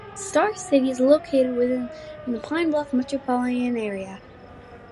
Star City is located within the Pine Bluff metropolitan area.